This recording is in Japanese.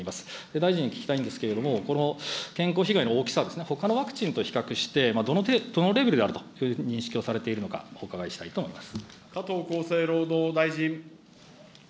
大臣に聞きたいんですけれども、この健康被害の大きさですね、ほかのワクチンと比較して、どのレベルであるという認識をされているのか、お伺いしたいと思います。